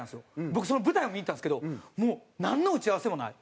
僕その舞台も見に行ったんですけどもうなんの打ち合わせもない。